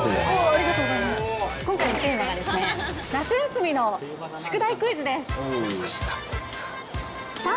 今回のテーマがですね、夏休みの宿題クイズです。